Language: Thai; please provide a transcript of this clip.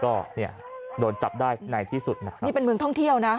ก็เนี่ยโดนจับได้ในที่สุดนะนี่เป็นเมืองท่องเที่ยวนะ